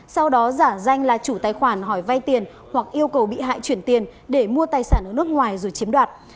sau đó giả danh là chủ tài khoản hỏi vay tiền hoặc yêu cầu bị hại chuyển tiền để mua tài sản ở nước ngoài rồi chiếm đoạt